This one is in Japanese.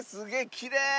きれい。